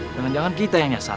jangan jangan kita yang nyasar